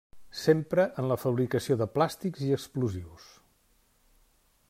S'empra en la fabricació de plàstics i explosius.